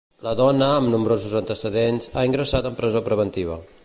La dona, amb nombrosos antecedents, ha ingressat en presó preventiva.